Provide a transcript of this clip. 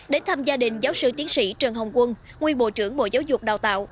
đến thăm gia đình giáo sư tiến sĩ trần hồng quân nguyên bộ trưởng bộ giáo dục đào tạo